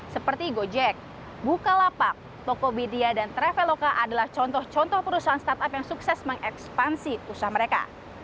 seperti gojek bukalapak tokopedia dan traveloka adalah contoh contoh perusahaan startup yang sukses mengekspansi usaha mereka